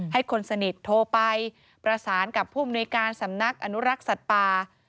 คนสนิทโทรไปประสานกับผู้มนุยการสำนักอนุรักษ์สัตว์ป่า